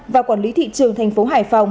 và quản lý thị trường thành phố hải phòng